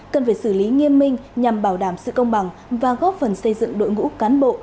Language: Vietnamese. cần phải xử lý nghiêm minh nhằm bảo đảm sự công bằng và góp phần xây dựng đội ngũ cán bộ